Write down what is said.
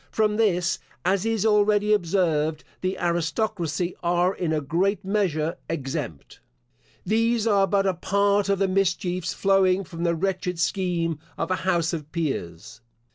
From this, as is already observed, the aristocracy are in a great measure exempt. These are but a part of the mischiefs flowing from the wretched scheme of an house of peers.